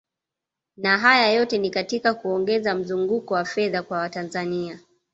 Na haya yote ni katika kuongeza mzunguko wa fedha kwa Watanzania